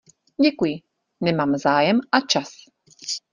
Děkuji, nemám zájem a čas.